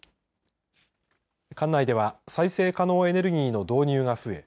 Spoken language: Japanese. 管内では再生可能エネルギーの導入が増え